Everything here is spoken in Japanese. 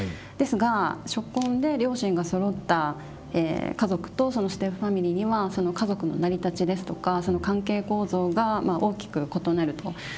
ですが初婚で両親がそろった家族とそのステップファミリーにはその家族の成り立ちですとか関係構造が大きく異なると。